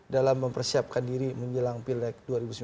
dalam mempersiapkan diri menjelang pilek dua ribu sembilan belas